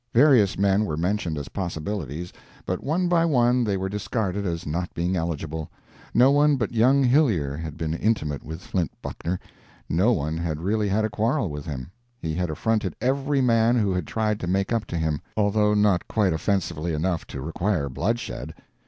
Various men were mentioned as possibilities, but one by one they were discarded as not being eligible. No one but young Hillyer had been intimate with Flint Buckner; no one had really had a quarrel with him; he had affronted every man who had tried to make up to him, although not quite offensively enough to require bloodshed.